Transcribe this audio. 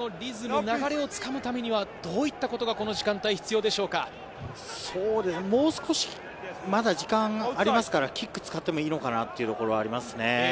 日本がこのリズム、流れをつかむためにはどういったことがもう少し、まだ時間がありますから、キックを使ってもいいのかなというところはありますね。